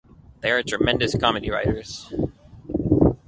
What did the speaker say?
They are tremendous comedy writers.